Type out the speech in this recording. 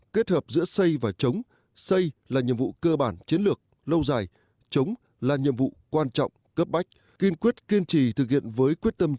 bốn quan điểm